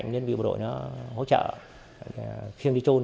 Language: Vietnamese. những nhân viên bộ đội nó hỗ trợ khi đi trôn